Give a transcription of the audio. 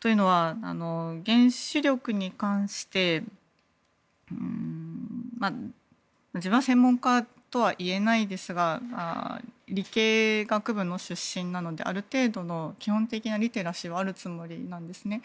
というのは、原子力に関して自分は専門家とは言えないですが理系学部の出身なのである程度の基本的なリテラシーはあるつもりなんですね。